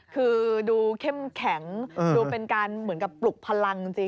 คือดูเข้มแข็งดูเป็นการเหมือนกับปลุกพลังจริง